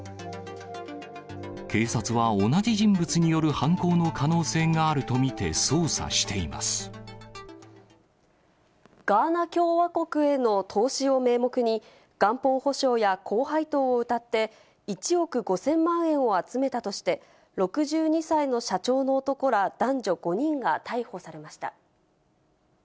警察は同じ人物による犯行の可能性があると見て捜査していまガーナ共和国への投資を名目に、元本保証や高配当をうたって、１億５０００万円を集めたとして、６２歳の社長の男ら男女５人が逮捕されました。